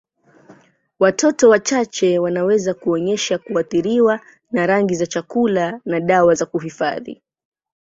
Watoto wachache wanaweza kuonyesha kuathiriwa na rangi za chakula na dawa za kuhifadhi.